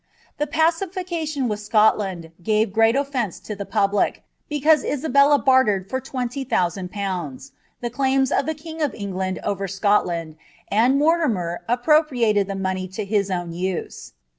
The pacification with Scotland gave great oflence to the pablir.l» cause Isabella bartered for twenty thousand pounds, the claims nf ilir king of England over Scotland, and Mortimer appropriated the niontTia his own use.